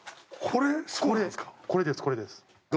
これですこれです。